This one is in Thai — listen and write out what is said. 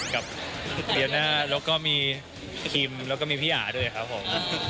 กับเดียน่าแล้วก็มีคิมแล้วก็มีพี่อาด้วยครับผม